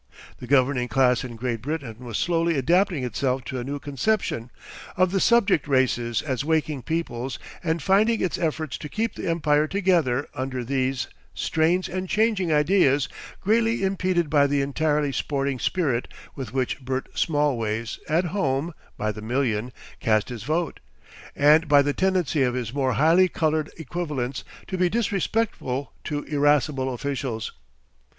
The governing class in Great Britain was slowly adapting itself to a new conception, of the Subject Races as waking peoples, and finding its efforts to keep the Empire together under these, strains and changing ideas greatly impeded by the entirely sporting spirit with which Bert Smallways at home (by the million) cast his vote, and by the tendency of his more highly coloured equivalents to be disrespectful to irascible officials.